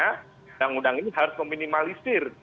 undang undang ini harus meminimalisir